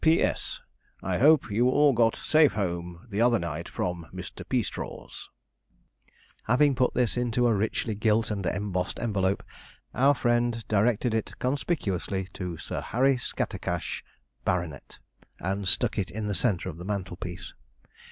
'P.S. I hope you all got safe home the other night from Mr. Peastraw's.' Having put this into a richly gilt and embossed envelope, our friend directed it conspicuously to Sir Harry Scattercash, Bart., and stuck it in the centre of the mantelpiece.